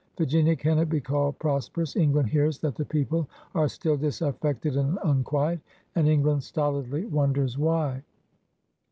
Virginia cannot be called prosperous. England hears that the people are still disafiFected and unquiet — and England stolidly wonders why.